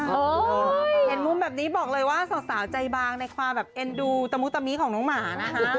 เห็นมุมแบบนี้บอกเลยว่าสาวใจบางในความแบบเอ็นดูตะมุตะมิของน้องหมานะคะ